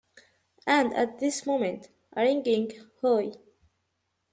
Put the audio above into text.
And at this moment a ringing "Hoy!"